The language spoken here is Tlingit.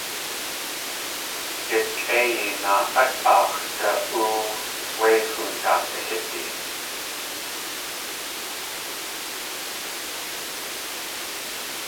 Yakʼéiyi naa.át aax̲ du.óow wé hoon daakahídi.